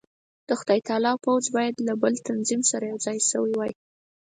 د خدای تعالی پوځ باید له بل تنظیم سره یو ځای شوی وای.